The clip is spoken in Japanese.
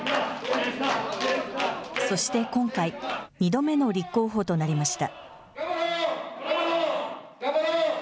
そして今回、２度目の立候補となりました。